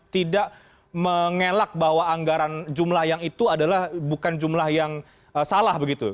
tidak mengelak bahwa anggaran jumlah yang itu adalah bukan jumlah yang salah begitu